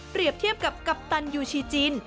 เปรียบเทียบกับกัปตันยูชิจิน